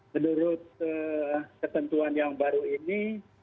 menurut ketentuan yang baru ini